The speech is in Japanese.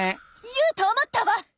言うと思ったわ！